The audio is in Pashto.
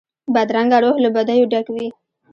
بدرنګه روح له بدیو ډک وي